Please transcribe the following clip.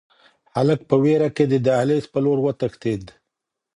هلک په وېره کې د دهلېز په لور وتښتېد.